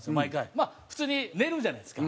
まあ普通に寝るじゃないですか。